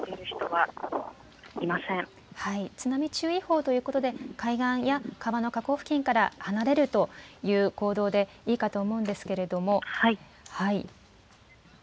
津波注意報ということで海岸や川の河口付近から離れるという行動でいいかと思いますが。